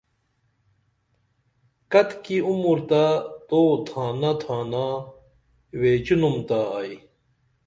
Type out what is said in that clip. کتِکی عمر تہ تو تھانہ تھانا ویچینُم تا ائی